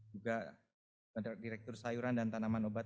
juga ada direktur sayuran dan tanaman obat